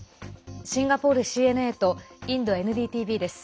シンガポールＣＮＡとインドＮＤＴＶです。